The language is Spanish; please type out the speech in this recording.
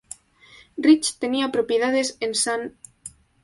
Rich tenía propiedades en St.